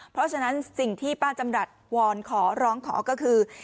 เพราะฉะนั้นสิ่งที่ป้าจำรัฐวอนขอร้องขอก็คือ